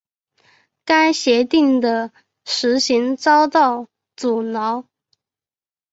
该协定的实行遭到阻挠。